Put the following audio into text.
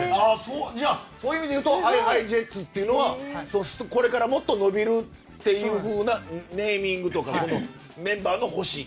そういう意味で言うとＨｉＨｉＪｅｔｓというのはこれからもっと伸びるというネーミングとかメンバーの星。